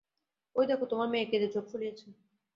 ঐ দেখো, তোমার মেয়ে কেঁদে চোখ ফুলিয়েছে।